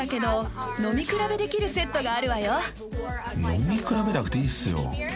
［飲み比べなくていいっすよ］